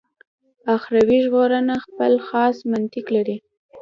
اخروي ژغورنه خپل خاص منطق لري.